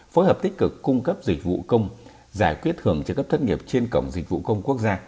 phối hợp tích cực cung cấp dịch vụ công giải quyết hưởng trợ cấp thất nghiệp trên cổng dịch vụ công quốc gia